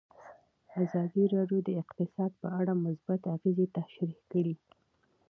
ازادي راډیو د اقتصاد په اړه مثبت اغېزې تشریح کړي.